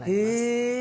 へえ。